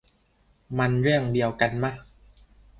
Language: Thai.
มันเรื่องเดียวกันมะ